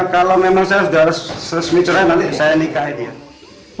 kalau memang saya sudah resmi cerai nanti saya nikahin dia